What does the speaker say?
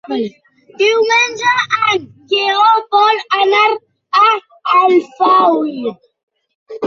Diumenge en Lleó vol anar a Alfauir.